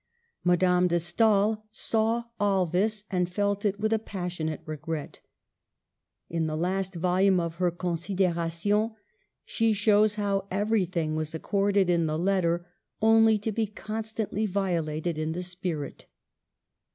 Madame de Stael saw all this and felt it with a passionate regret. In the last volume of her Considerations she shows how everything was accorded in the letter, only to be constantly violated in the spirit.